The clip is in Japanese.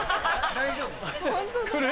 大丈夫？